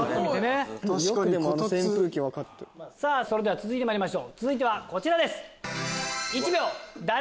それではまいりましょう続いてはこちらです。